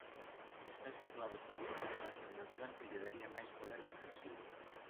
Está situado sobre unha elevación natural que lle daría máis poder defensivo.